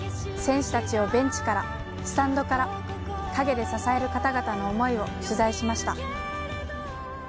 選手たちをベンチから、スタンドから陰で支える方々の思いを取材しました。